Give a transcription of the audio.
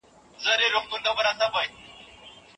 دولت وويل چي ثبات راځي.